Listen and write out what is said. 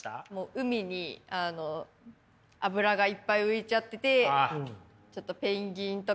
海に油がいっぱい浮いちゃっててちょっとペンギンとかが。